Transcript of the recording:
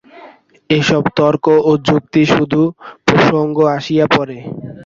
এইসব তর্ক ও যুক্তি শুধু প্রসঙ্গত আসিয়া পড়ে।